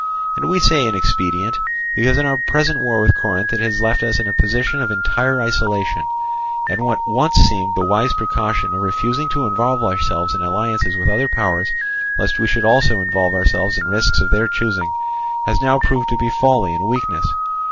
And we say inexpedient, because in our present war with Corinth it has left us in a position of entire isolation, and what once seemed the wise precaution of refusing to involve ourselves in alliances with other powers, lest we should also involve ourselves in risks of their choosing, has now proved to be folly and weakness.